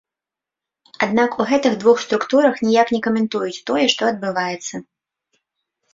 Аднак у гэтых двух структурах ніяк не каментуюць тое, што адбываецца.